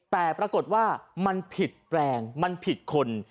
แต่ปรากฏว่ามันผิดแปลงมันผิดคน